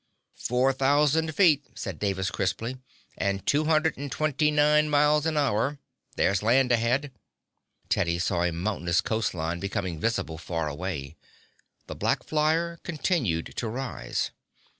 "Four thousand feet," said Davis crisply. "And two hundred and twenty nine miles an hour. There's land ahead." Teddy saw a mountainous coast line becoming visible far away. The black flyer continued to rise.